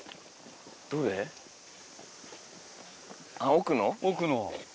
奥の。